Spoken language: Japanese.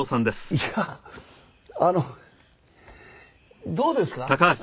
いやあのどうですか？